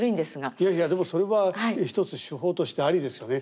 いやいやでもそれは一つ手法としてありですよね。